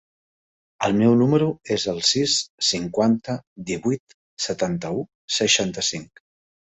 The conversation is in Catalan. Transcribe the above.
El meu número es el sis, cinquanta, divuit, setanta-u, seixanta-cinc.